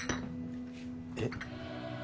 えっ？